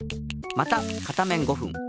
また片面５ふん。